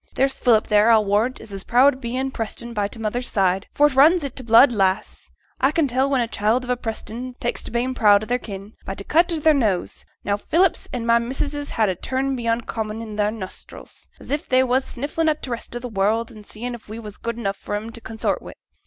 There's Philip there, I'll warrant, is as proud o' bein' Preston by t' mother's side, for it runs i' t' blood, lass. A can tell when a child of a Preston tak's to being proud o' their kin, by t' cut o' their nose. Now Philip's and my missus's has a turn beyond common i' their nostrils, as if they was sniffin' at t' rest of us world, an' seein' if we was good enough for 'em to consort wi'.